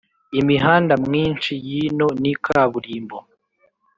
imihanda mwinshi yino ni kaburimbo